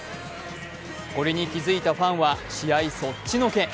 これに気づいたファンは試合そっちのけ。